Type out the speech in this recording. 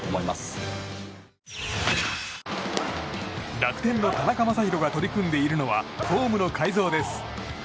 楽天の田中将大が取り組んでいるのはフォームの改造です。